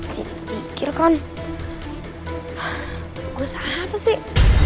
jadi dipikirkan tugas apa sih